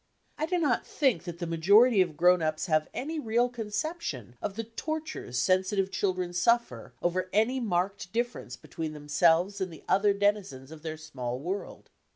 I do not think that the majority of grown ups have any real conception of the tortures sensitive children suffer over any marked difference between themselves and the other denizens of their small world.